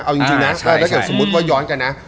เอาจริงนะถ้าเกิดสมมุติว่าย้อนกันนะ